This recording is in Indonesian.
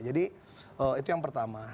jadi itu yang pertama